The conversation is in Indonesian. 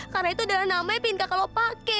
karena itu adalah namanya yang ingin kakak lo pake